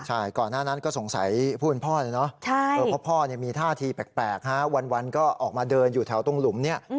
ใช่ก่อนหน้านั้นก็สงสัยผู้เป็นพ่อเลยเนาะเพราะพ่อมีท่าทีแปลกวันก็ออกมาเดินอยู่แถวตรงหลุมเนี่ย